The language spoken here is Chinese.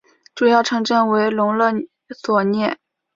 主要城镇为隆勒索涅。